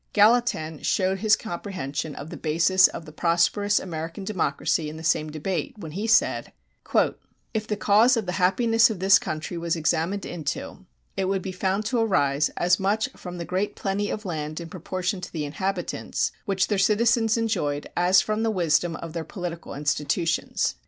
Gallatin showed his comprehension of the basis of the prosperous American democracy in the same debate when he said: If the cause of the happiness of this country was examined into, it would be found to arise as much from the great plenty of land in proportion to the inhabitants, which their citizens enjoyed as from the wisdom of their political institutions.